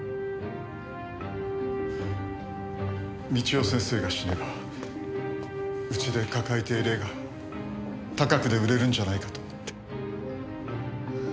美千代先生が死ねばうちで抱えている絵が高く売れるんじゃないかと思って。